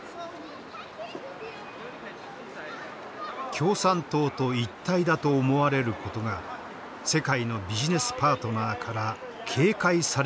共産党と一体だと思われることが世界のビジネスパートナーから警戒される可能性もあった。